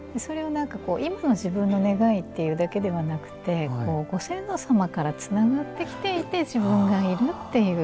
今の自分の願いというだけでなくてご先祖様からつながってきていて自分がいるっていう。